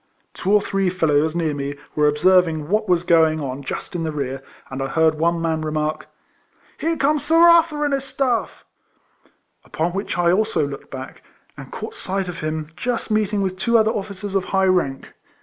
Two or three fellows near me were observing what was going on just in the rear, and I heard one man remark, " Here comes Sir Arthur and his staff; " upon which I also looked back, and caught sight of him just meeting with two other officers of high rank.